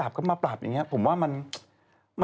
ไปจับกำลับไม่ใช่หรือเปล่า